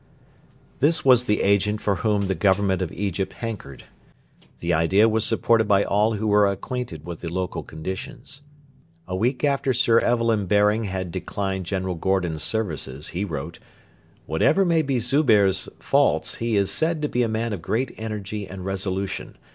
This was the agent for whom the Government of Egypt hankered. The idea was supported by all who were acquainted with the local conditions. A week after Sir Evelyn Baring had declined General Gordon's services he wrote: 'Whatever may be Zubehr's faults, he is said to be a man of great energy and resolution.